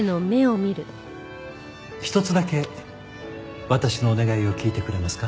一つだけ私のお願いを聞いてくれますか？